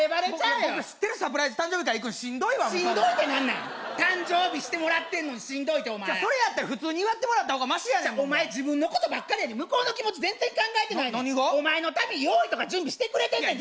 僕知ってるサプライズ誕生日会行くのしんどいわ誕生日してもらってんのにしんどいってお前それやったら普通に祝ってもらった方がマシやねんお前自分のことばっかりやで向こうの気持ち全然考えてないお前のために用意とか準備してくれてんねんで？